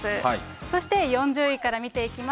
そして４０位から見ていきます。